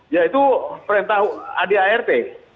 ya itu perintah adart